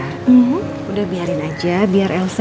tapi udah biar aku aja